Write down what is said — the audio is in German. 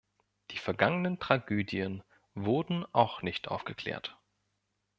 Die vergangenen Tragödien wurden auch nicht aufgeklärt.